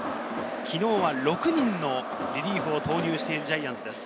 昨日は６人のリリーフを投入しているジャイアンツです。